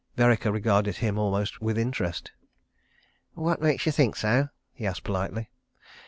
Vereker regarded him almost with interest. "What makes you think so?" he asked politely.